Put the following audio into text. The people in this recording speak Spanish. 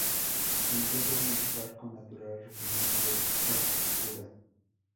Se encuentra en el parco natural regional del Haut Jura.